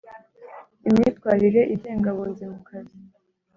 imyitwarire igenga abunzi mu kazi